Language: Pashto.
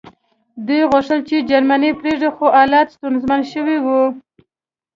دوی غوښتل چې جرمني پرېږدي خو حالات ستونزمن شوي وو